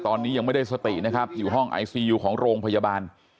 ตอนนี้ยังไม่ได้สตินะครับอยู่ห้องไอซียูของโรงพยาบาล